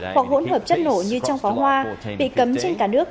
hoặc hỗn hợp chất nổ như trong pháo hoa bị cấm trên cả nước